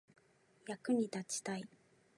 役に立ちたい